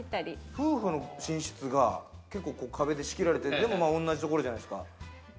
夫婦の寝室が壁で仕切られたり、でも同じところじゃないですか。